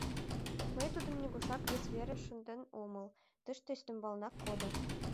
— Мый тудым нигушкат вес вере шынден омыл, тыште ӱстембалнак кодо.